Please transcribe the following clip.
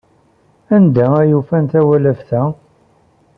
Anda ay ufant tawlaft-a?